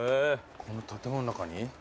この建物の中に？